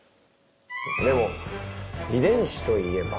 でも遺伝子といえば。